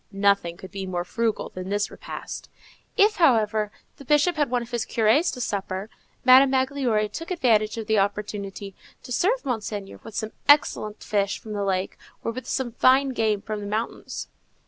Nothing could be more frugal than this repast. If, however, the Bishop had one of his curés to supper, Madame Magloire took advantage of the opportunity to serve Monseigneur with some excellent fish from the lake, or with some fine game from the mountains.